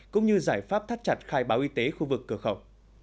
cũng như giải pháp thắt chặt khai báo y tế khu vực cửa khẩu